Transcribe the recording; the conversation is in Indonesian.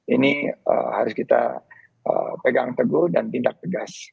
ini harus kita pegang teguh dan tindak tegas